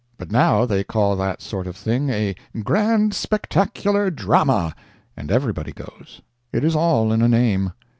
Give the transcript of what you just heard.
But now they call that sort of thing a "Grand Spectacular Drama," and everybody goes. It is all in a name.